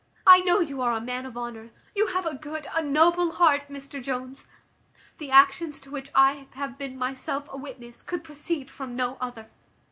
I know you are a man of honour. You have a good a noble heart, Mr Jones. The actions to which I have been myself a witness, could proceed from no other.